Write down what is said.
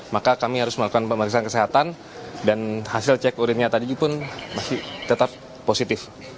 maka kami harus melakukan pemeriksaan kesehatan dan hasil cek urinnya tadi pun masih tetap positif